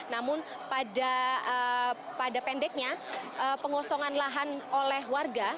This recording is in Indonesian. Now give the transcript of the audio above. namun pada pendeknya pengosongan lahan oleh warga